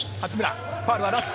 ファウルはなし。